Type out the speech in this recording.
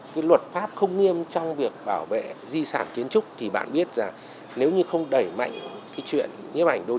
cái luật pháp không nghiêm trong việc bảo vệ di sản kiến trúc thì bạn biết rằng nếu như không đẩy mạnh cái chuyện nghiêm ảnh đô thị